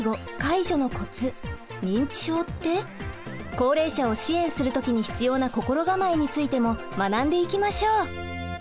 高齢者を支援する時に必要な心構えについても学んでいきましょう。